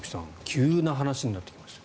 急な話になってきました。